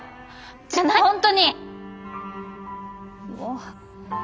じゃないと本当にもう。